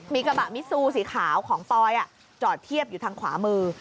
มีกระบะมิซูสีขาวของปอยจอดเทียบอยู่ทางขวามือ